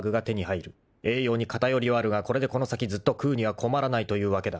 ［栄養に偏りはあるがこれでこの先ずっと食うには困らないというわけだ］